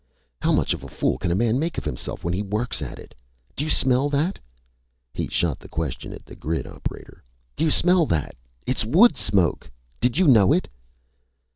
How much of a fool can a man make of himself when he works at it? Do you smell that?" He shot the question at the grid operator. "Do you smell that? It's wood smoke! Did you know it?"